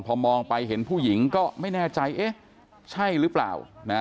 พอมองไปเห็นผู้หญิงก็ไม่แน่ใจเอ๊ะใช่หรือเปล่า